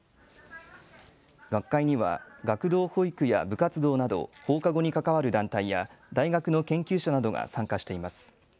学会には学童保育や部活動など放課後に関わる団体や大学の研究者などが参加しています。